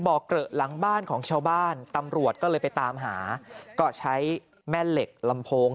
เกลอะหลังบ้านของชาวบ้านตำรวจก็เลยไปตามหาก็ใช้แม่เหล็กลำโพง